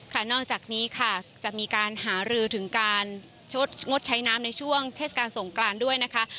นอกจากนี้ค่ะจะมีการหารือถึงการงดใช้น้ำในช่วงเทศกาลสงกรานด้วยนะคะ